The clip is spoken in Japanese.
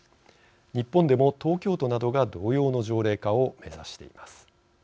日本でも東京都などが同様の条例化を目指しています。